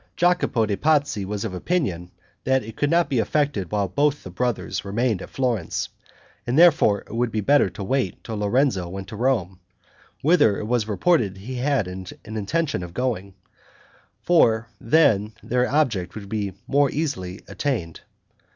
Jacopo de' Pazzi was of opinion that it could not be effected while both the brothers remained at Florence; and therefore it would be better to wait till Lorenzo went to Rome, whither it was reported he had an intention of going; for then their object would be more easily attained.